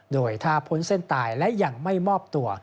โดยถ้าพ้นเส้นตายและยังไม่มอบตัว